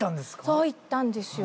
そう行ったんですよ